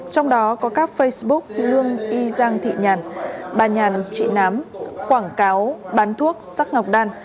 trong đó có các facebook lương y giang thị nhàn bà nhàn trị nám quảng cáo bán thuốc sắc ngọc đan